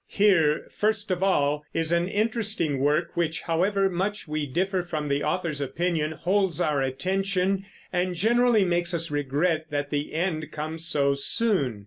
Here, first of all, is an interesting work, which, however much we differ from the author's opinion, holds our attention and generally makes us regret that the end comes so soon.